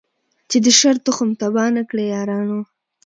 چي د شر تخم تباه نه کړی یارانو